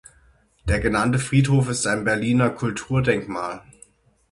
Der genannte Friedhof ist ein Berliner Kulturdenkmal.